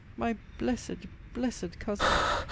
My blessed, blessed Cousin!